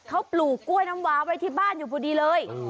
เขาปลูกกล้วยน้ำวาไว้ที่บ้านอยู่พอดีเลย